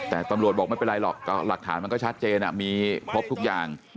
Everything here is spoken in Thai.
แต่ตำรวจบอกไม่เป็นไรหรอกหลักฐานมันก็ชัดเจนมีครบทุกอย่าง